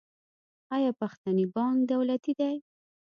آیا پښتني بانک دولتي دی؟